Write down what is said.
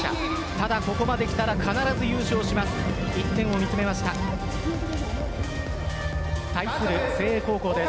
ただ、ここまで来たら必ず優勝します。